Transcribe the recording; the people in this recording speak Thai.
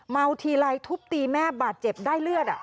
ทีไรทุบตีแม่บาดเจ็บได้เลือด